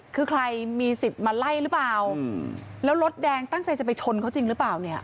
คือใครมีสิทธิ์มาไล่หรือเปล่าแล้วรถแดงตั้งใจจะไปชนเขาจริงหรือเปล่าเนี่ย